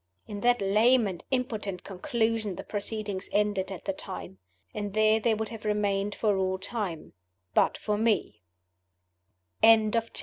In that lame and impotent conclusion the proceedings ended at the time. And there they would have remained for all time but for Me. CHAPTER XXI.